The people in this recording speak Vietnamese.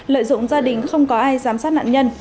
lợi dụng gia đình không có ai giám sát nạn nhân